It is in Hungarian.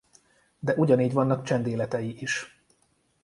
De ugyanígy vannak csendéletei is.